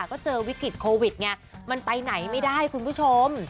ก็เจอวิกฤตโควิดไงมันไปไหนไม่ได้คุณผู้ชม